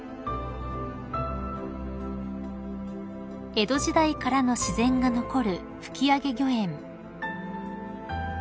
［江戸時代からの自然が残る吹上御苑］